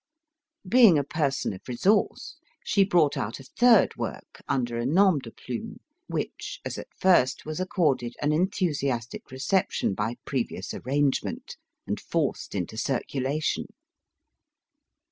Being a person of resource, she brought out a third work under a nom de plume, which, as at first, was accorded an enthusiastic recep tion by previous arrangement, and forced into circulation.